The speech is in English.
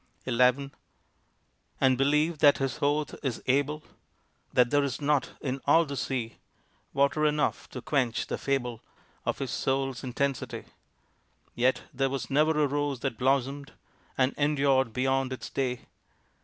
XI And believe that his oath is able! That there is not in all the sea Water enough to quench the fable Of his soul's intensity. Yet there was never a rose that blossomed And endured beyond its day.